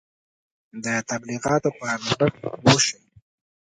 د تبلیغاتو په ارزښت پوه شئ.